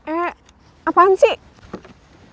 eh apaan sih